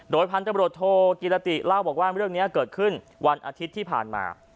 โดยพันธบรวจโทกิรติเล่าบอกว่าเรื่องนี้เกิดขึ้นวันอาทิตย์ที่ผ่านมา